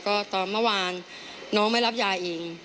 ก็ตอนเมื่อวานน้องไม่รับยาเอง